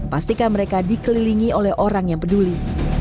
pastikan mereka dikelilingi oleh orang yang peduli